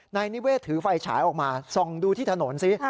นายนิเวศถือไฟฉายออกมาส่องดูที่ถนนสิ